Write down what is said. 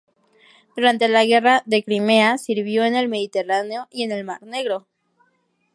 Durante la Guerra de Crimea sirvió en el Mediterráneo y en el Mar Negro.